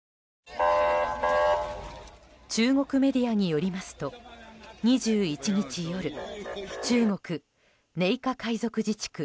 中国メディアによりますと２１日夜中国・寧夏回族自治区